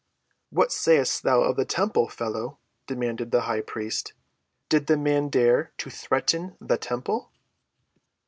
"What sayest thou of the temple, fellow?" demanded the high priest. "Did the man dare to threaten the temple?"